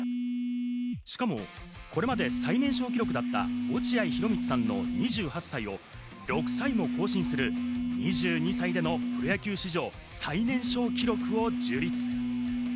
しかもこれまで最年少記録だった落合博満さんの２８歳を６歳も更新する、２２歳でのプロ野球史上、最年少記録を樹立。